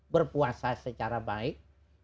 berpuasa secara baik